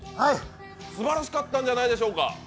すばらしかったんじゃないでしょうか！